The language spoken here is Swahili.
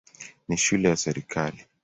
Ni shule ya serikali.